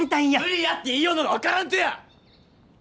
無理やって言いようのが分からんとや！